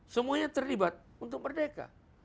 semuanya terlibat untuk merdeka